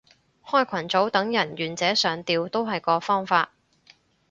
開群組等人願者上釣都係個方法